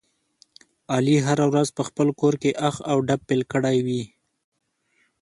علي هره ورځ په خپل کورکې اخ او ډب پیل کړی وي.